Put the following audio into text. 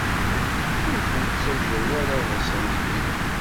Ur ten-ttaǧǧa ara ad ḍsen deg-i.